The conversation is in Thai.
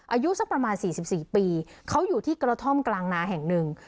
อายุสักประมาณ๔๔ปีเขาอยู่ที่กระท่อมกลางนาแห่งหนึ่ง